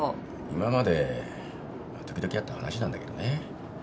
今まで時々あった話なんだけどね。